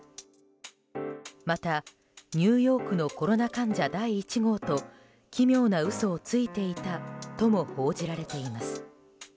また、ニューヨークのコロナ患者第１号と奇妙な嘘をついていたとも報じられています。